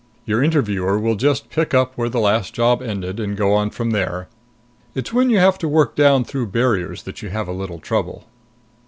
Your interviewer will just pick up where the last job ended and go on from there. It's when you have to work down through barriers that you have a little trouble."